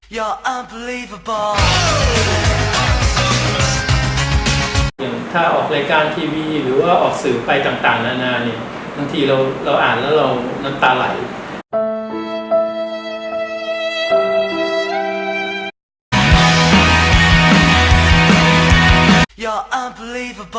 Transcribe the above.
อย่างถ้าออกรายการทีวีหรือว่าออกสื่อไปต่างนานาเนี่ยบางทีเราอ่านแล้วเราน้ำตาไหล